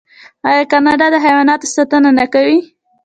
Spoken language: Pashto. آیا کاناډا د حیواناتو ساتنه نه کوي؟